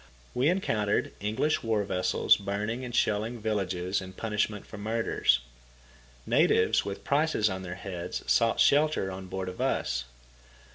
We encountered English war vessels burning and shelling villages in punishment for murders. Natives with prices on their heads sought shelter on board of us.